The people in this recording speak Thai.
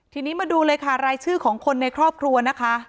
ทีนี้มาดูเลยค่ะรายชื่อของคนในครอบครัวนะคะ